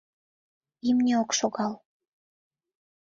Имне ок шогал.